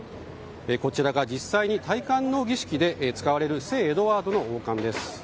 こちらが実際に戴冠の儀式で使われる聖エドワードの王冠です。